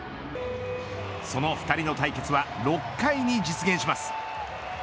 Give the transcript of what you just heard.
その２人の対決は６回に実現します。